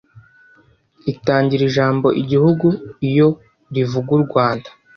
itangira ijambo Igihugu iyo rivuga u Rwanda